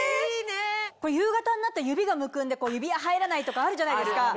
夕方になったら指がむくんで指輪入らないとかあるじゃないですか。